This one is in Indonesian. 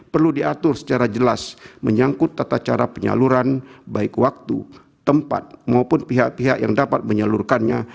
perlu diatur secara jelas menyangkut tata cara penyaluran baik waktu tempat maupun pihak pihak yang dapat menyalurkannya